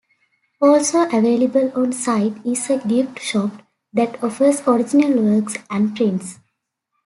Also available on sight is a gift shop that offers original works and prints.